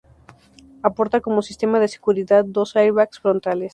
Aporta como sistema de seguridad dos airbags frontales.